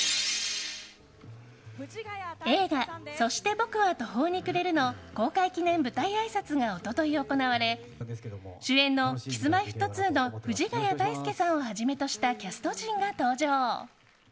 映画「そして僕は途方に暮れる」の公開記念舞台あいさつが一昨日行われ主演のＫｉｓ‐Ｍｙ‐Ｆｔ２の藤ヶ谷太輔さんをはじめとしたキャスト陣が登場。